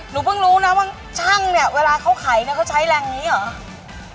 หนูเพิ่งรู้นะว่าช่างเนี่ยเวลาเขาไขเนี่ยเขาใช้แรงนี้เหรอ